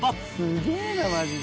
「すげえな！マジで」